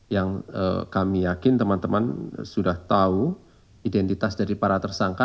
yang kami yakin teman teman sudah tahu identitas dari para tersangka